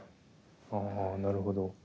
ああなるほど。